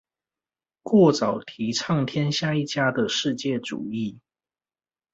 過早提倡天下一家的世界主義